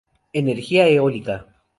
Energía eólica.